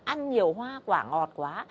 ăn nhiều hoa quả ngọt quá